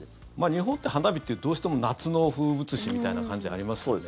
日本って花火ってどうしても夏の風物詩みたいな感じありますよね。